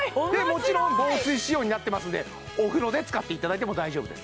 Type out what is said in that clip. もちろん防水仕様になってますのでお風呂で使っていただいても大丈夫です